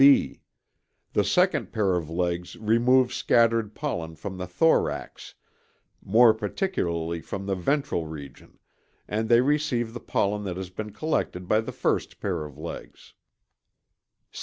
(b) The second pair of legs remove scattered pollen from the thorax, more particularly from the ventral region, and they received the pollen that has been collected by the first pair of legs.